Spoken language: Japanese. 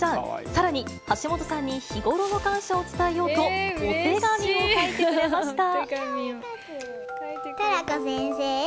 さらに、橋本さんに日頃の感謝を伝えようと、お手紙を書いてくれました。